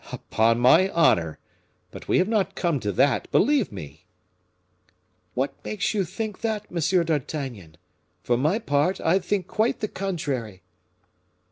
"Upon my honor! But we have not come to that, believe me." "What makes you think that, M. d'Artagnan? For my part, I think quite the contrary."